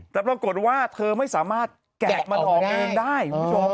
แต่ปรากฏว่าเธอไม่สามารถแกะมันออกเองได้คุณผู้ชม